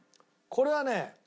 これはね